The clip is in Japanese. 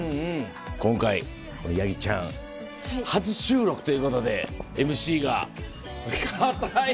今回八木ちゃん初収録ということでＭＣが。硬い！